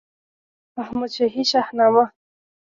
احمدشاهي شهنامه